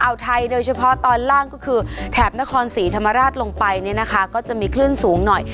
เอาไทยโดยเฉพาะตอนล่างก็คือแถบนครศรีธรรมราชลงไปเนี่ยนะคะก็จะมีคลื่นสูงหน่อย